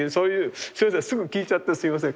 すぐ聞いちゃってすみません。